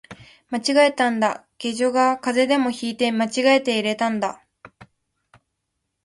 間違えたんだ、下女が風邪でも引いて間違えて入れたんだ